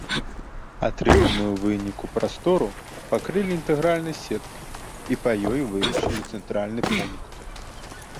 Атрыманую ў выніку прастору пакрылі інтэгральнай сеткай і па ёй вылічылі цэнтральны пункт.